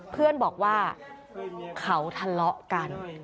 เพื่อนบอกว่าเขาทะเลาะกัน